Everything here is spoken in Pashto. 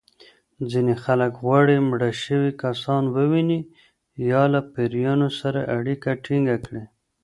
ځینې خلک غواړي مړه شوي کسان وویني یا له پېریانو سره اړیکه ټېنګه کړي.